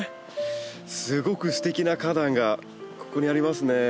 すごくすてきな花壇がここにありますね。